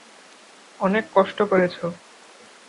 অনেক কষ্ট করেছ।